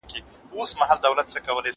زه اوږده وخت زدکړه کوم،